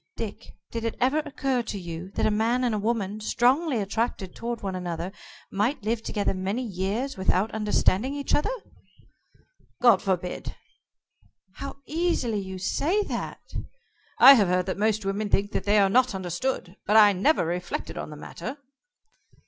Dick, did it ever occur to you that a man and woman, strongly attracted toward one another, might live together many years without understanding each other?" "God forbid!" "How easily you say that!" "I have heard that most women think they are not understood, but I never reflected on the matter."